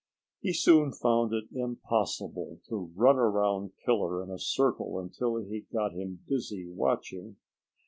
He soon found it impossible to run around Killer in a circle until he got him dizzy watching.